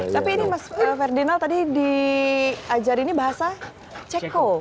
tapi ini mas ferdinal tadi diajar ini bahasa ceko